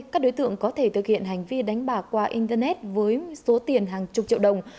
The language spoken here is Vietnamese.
các đối tượng có thể thực hiện hành vi đánh bạc qua internet với số tiền hàng chục triệu đồng